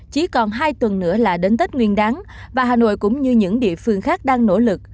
chỉ còn hai tuần nữa là đến tết nguyên đáng và hà nội cũng như những địa phương khác đang nỗ lực